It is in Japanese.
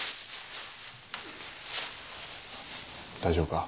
大丈夫か？